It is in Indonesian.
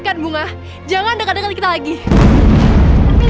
hanya kali ini saja sekalian selama